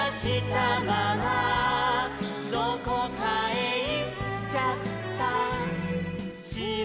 「どこかへいっちゃったしろ」